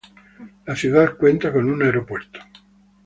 La ciudad cuenta con un aeropuerto.